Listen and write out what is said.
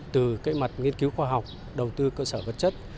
từ cái mặt nghiên cứu khoa học đầu tư cơ sở vật chất